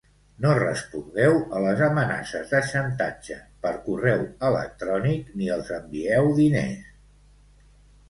No respongueu a les amenaces de xantatge per correu electrònic ni els envieu diners.